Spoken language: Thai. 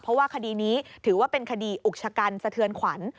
เพราะว่าคดีนี้ถือว่าเป็นคดีอุกชะกันสะเทือนขวัญ